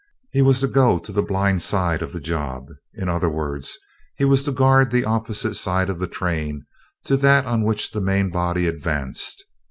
He was to go to the blind side of the job. In other words, he was to guard the opposite side of the train to that on which the main body advanced.